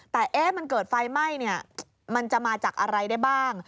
แต่มันเกิดไฟไหม้มันจะมาจากอะไรได้บ้าง